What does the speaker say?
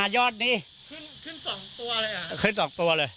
ทั้งหมดนี้คือลูกศิษย์ของพ่อปู่เรศรีนะคะ